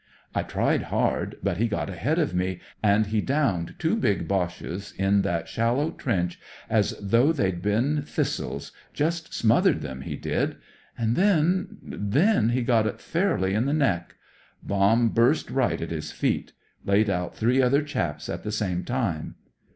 I tried hard, but he got ahead of me, and he downed two big Boches in that shallow trench ^r mmmm THE DEVIL'S WOOD 79 as though they'd been thistles —just smothered them, he did ; and then— then he got it fairly in the neck. Bomb burst right at his feet; laid out three other chaps at the same time.